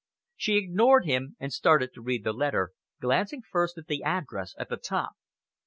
She ignored him and started to read the letter, glancing first at the address at the top.